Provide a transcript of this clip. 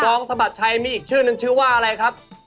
สะบัดชัยมีอีกชื่อนึงชื่อว่าอะไรครับ